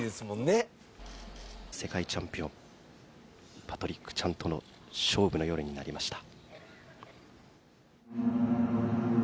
世界チャンピオンパトリック・チャンとの勝負の夜になりました。